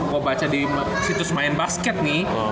gue baca di situs main basket nih